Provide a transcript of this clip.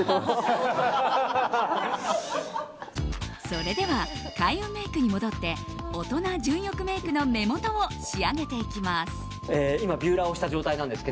それでは開運メイクに戻ってオトナ純欲メイクの目元を仕上げていきます。